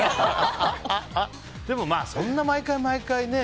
でも、そんな毎回毎回ね。